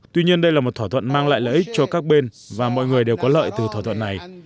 tuy nhiên đây là một thỏa thuận mang lại lợi ích cho các bên và mọi người đều có lợi từ thỏa thuận này